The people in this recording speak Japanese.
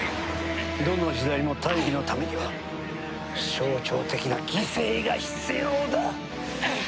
どの時代も大義のためには象徴的な犠牲が必要だ！